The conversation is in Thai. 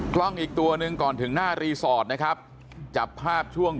กล้องอีกตัวหนึ่งก่อนถึงหน้ารีสอร์ทนะครับจับภาพช่วง